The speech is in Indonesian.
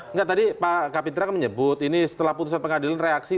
enggak tadi pak kapitra menyebut ini setelah putusan pengadilan reaksi